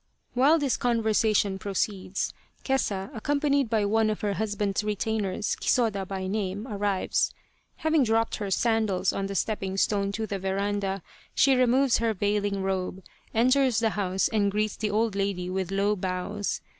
While this conversation proceeds, Kesa, accom panied by one of her husband's retainers, Kisoda by name, arrives. Having dropped her sandals on the stepping stone to the veranda, she removes her veiling robe, enters the house, and greets the old lady with low bows.